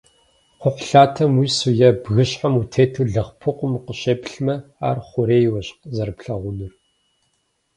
Кхъухьлъатэм уису е бгыщхьэм утету лэгъупыкъум укъыщеплъмэ, ар хъурейуэщ зэрыплъэгъунур.